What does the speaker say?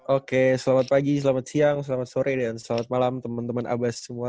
oke selamat pagi selamat siang selamat sore dan selamat malam teman teman abah semua